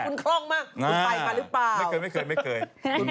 มายังไงคุณคล่องมากมายังไงคุณไปมั้ยหรือเปล่า